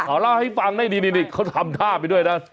เอาเล่าให้ฟังได้นี่เขาทำท่าไปด้วยนะ